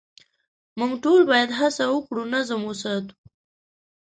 موږ ټول باید هڅه وکړو نظم وساتو.